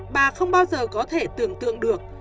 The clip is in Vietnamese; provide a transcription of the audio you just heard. bà không bao giờ có thể tưởng tượng được